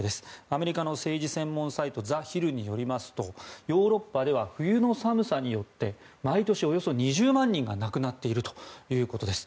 アメリカの政治専門サイトザ・ヒルによりますとヨーロッパでは冬の寒さによって毎年およそ２０万人が亡くなっているということです。